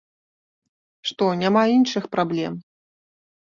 Што, няма іншых праблем?